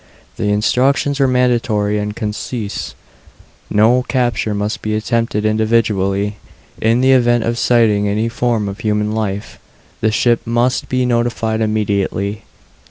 The instructions were mandatory and concise: "No capture must be attempted individually. In the event of sighting any form of human life, the ship MUST be notified immediately.